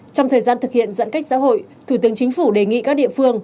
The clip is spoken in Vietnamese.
trong thời gian thực hiện giãn cách xã hội thủ tướng chính phủ đề nghị các địa phương